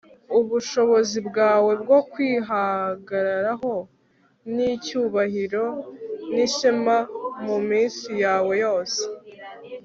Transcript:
ubushobozi bwawe bwo kwihagararaho n'icyubahiro n'ishema muminsi yawe yose